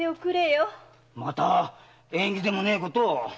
また縁起でもねえことを。